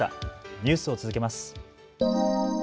ニュースを続けます。